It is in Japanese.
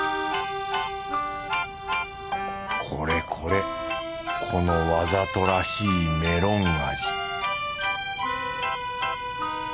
これこれこのわざとらしいメロン味